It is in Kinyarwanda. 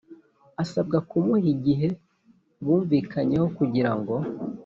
asabwa kumuha igihe bumvikanyeho kugira ngo